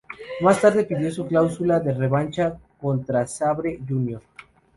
Más tarde pidió su cláusula de revancha contra Sabre Jr.